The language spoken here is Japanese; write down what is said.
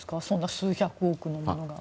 数百億のものが。